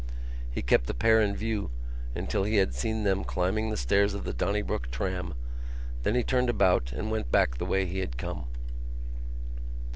He kept the pair in view until he had seen them climbing the stairs of the Donnybrook tram; then he turned about and went back the way he had come.